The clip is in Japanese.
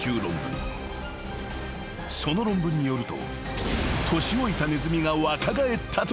［その論文によると］